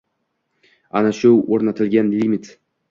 Ana shu oʻrnatilgan limit